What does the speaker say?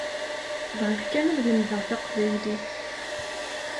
Bɣiɣ kan ad lemdeɣ taqbaylit.